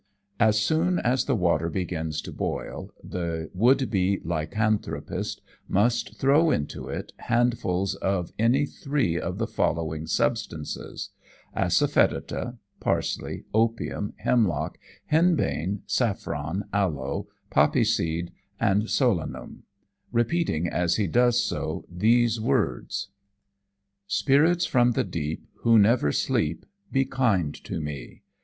As soon as the water begins to boil the would be lycanthropist must throw into it handfuls of any three of the following substances: Asafoetida, parsley, opium, hemlock, henbane, saffron, aloe, poppy seed and solanum; repeating as he does so these words: "Spirits from the deep Who never sleep, Be kind to me.